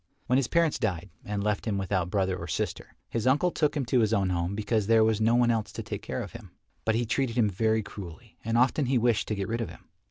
When his parents died and left him without brother or sister, his uncle took him to his own home because there was no one else to take care of him. But he treated him very cruelly and often he wished to get rid of him.